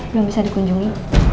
belum bisa dikunjungi